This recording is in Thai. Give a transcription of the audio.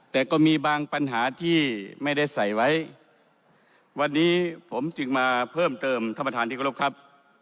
แต่ก็มีบางปัญหาที่ไม่ได้ใส่ไว้วันนี้ผมจึงมาเพิ่มเติมท่านประธานที่กรบครับ